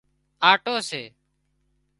آٽو سي